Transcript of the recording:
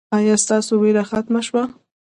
ایا ستاسو ویره ختمه شوه؟